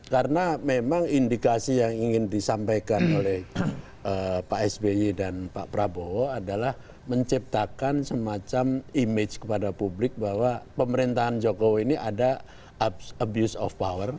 karena memang indikasi yang ingin disampaikan oleh pak sby dan pak prabowo adalah menciptakan semacam image kepada publik bahwa pemerintahan jokowi ini ada abuse of power